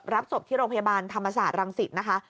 รับศพที่โรงพยาบาลธรรมศาสตร์รังสิตนะคะ